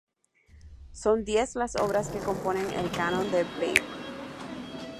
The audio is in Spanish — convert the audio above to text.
Son diez las obras que componen el Canon de Bayreuth.